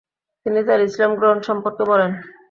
তিনি তার ইসলাম গ্রহণ সম্পর্কে বলেন: